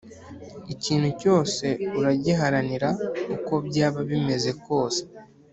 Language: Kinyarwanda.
ikintu cyose uragiharanira uko byaba bimeze kose,